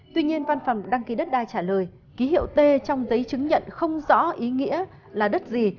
tuy nhiên văn phòng đăng ký đất đai trả lời ký hiệu t trong giấy chứng nhận không rõ ý nghĩa là đất gì